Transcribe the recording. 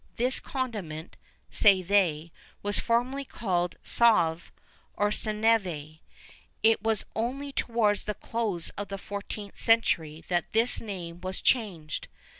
This condiment, say they, was formerly called sauve or senevé. It was only towards the close of the 14th century that this name was changed.